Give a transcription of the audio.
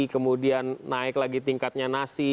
kemudian naik lagi tingkatnya nasi